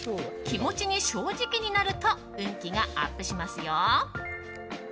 気持ちに正直になると運気がアップしますよ。